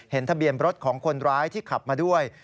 ทะเบียนรถของคนร้ายที่ขับมาด้วย